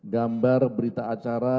gambar berita acara